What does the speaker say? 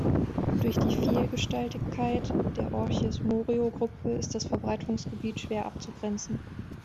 Durch die Vielgestaltigkeit der "Orchis morio"-Gruppe ist das Verbreitungsgebiet schwer abzugrenzen.